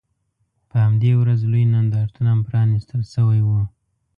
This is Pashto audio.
په همدې ورځ لوی نندارتون هم پرانیستل شوی و.